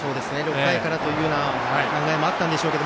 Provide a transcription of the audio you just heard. ６回からという考えもあったんでしょうが